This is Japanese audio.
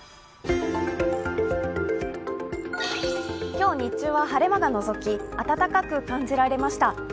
今日日中は晴れ間がのぞき暖かく感じられました。